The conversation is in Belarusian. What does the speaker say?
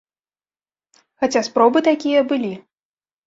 Хаця спробы такія былі.